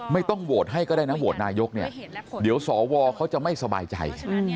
ไม่ต้องโหวตให้ก็ได้นะโหวตนายกเนี่ยเดี๋ยวสวเขาจะไม่สบายใจ